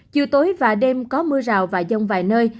chiều tối và đêm có mưa rào và rông vài nơi